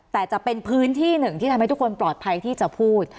แต่จะเป็นพื้นที่หนึ่งที่ทำให้ทุกคนปลอดภัยที่จะพูด